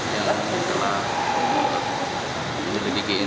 yang telah membuat penyidik ini supaya kita lebih baik lagi dengan olahraga kita ke depan